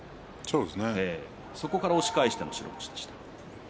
そこから押し返しての白星でした。